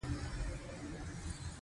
يو د بل سره تړلي دي!!.